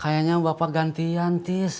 kayaknya bapak gantian